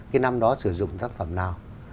cái năm đó sử dụng tác phẩm nào